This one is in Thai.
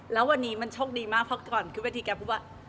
แล้ววันนี้มันโชคดีมากเพราะก่อนขึ้นเวทีแกพูดว่า